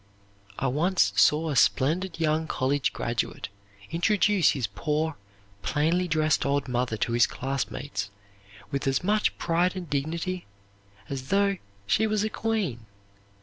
I once saw a splendid young college graduate introduce his poor, plainly dressed old mother to his classmates with as much pride and dignity as though she was a queen.